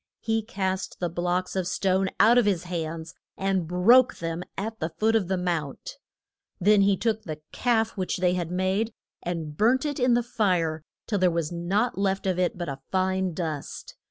He cast the blocks of stone out of his hands and broke them at the foot of the mount. Then he took the calf which they had made, and burnt it in the fire till there was nought left of it but a fine dust.